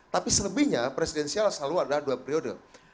tapi selebihnya presidensial selalu adalah dua periode